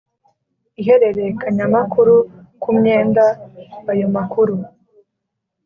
ihererekanyamakuru ku myenda ayo makuru